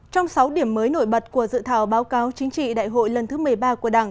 trong sáu điểm mới nổi bật của dự thảo báo cáo chính trị đại hội lần thứ một mươi ba của đảng